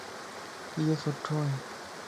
ايو سُتوائي